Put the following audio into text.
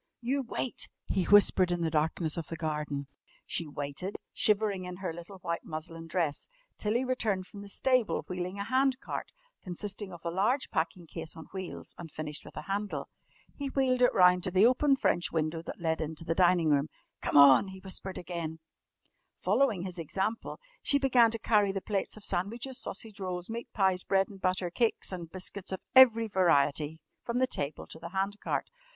"You wait!" he whispered in the darkness of the garden. She waited, shivering in her little white muslin dress, till he returned from the stable wheeling a hand cart, consisting of a large packing case on wheels and finished with a handle. He wheeled it round to the open French window that led into the dining room. "Come on!" he whispered again. [Illustration: FEW NOTICED WILLIAM'S EXIT BY THE WINDOW, FOLLOWED BY THE BLINDLY OBEDIENT JOAN.] Following his example, she began to carry the plates of sandwiches, sausage rolls, meat pies, bread and butter, cakes and biscuits of every variety from the table to the hand cart.